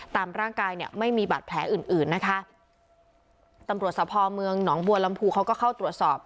ตามร่างกายเนี่ยไม่มีบาดแผลอื่นอื่นนะคะตำรวจสะพอเมืองหนองบัวลำพูเขาก็เข้าตรวจสอบ